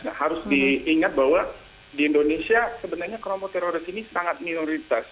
nah harus diingat bahwa di indonesia sebenarnya kelompok teroris ini sangat minoritas